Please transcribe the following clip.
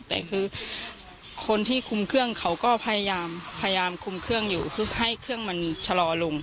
แต่คือคนที่คุมเครื่องเขาก็พยายามพยายามคุมเครื่องอยู่คือให้เครื่องมันชะลอลง